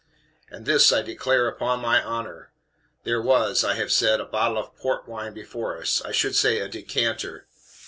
And this I declare UPON MY HONOR. There was, I have said, a bottle of port wine before us I should say a decanter.